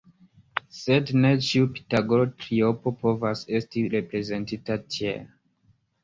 Sed ne ĉiu pitagoro triopo povas esti reprezentita tiel.